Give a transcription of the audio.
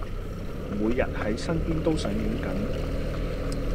每日喺身邊都上映緊